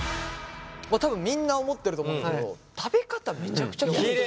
多分みんな思ってると思うけど食べ方めちゃくちゃキレイ。